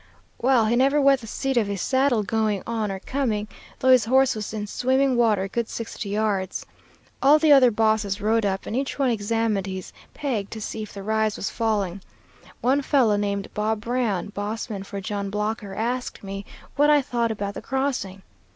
Well, he never wet the seat of his saddle going or coming, though his horse was in swimming water good sixty yards. All the other bosses rode up, and each one examined his peg to see if the rise was falling. One fellow named Bob Brown, boss man for John Blocker, asked me what I thought about the crossing.